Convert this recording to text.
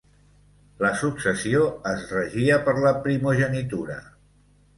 La successió es regia per la primogenitura.